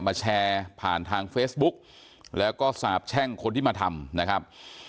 มาแชร์ผ่านทางเฟซบุ๊กแล้วก็สาบแช่งคนที่มาทำนะครับ